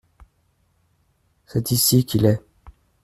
C’est ici qu’il est.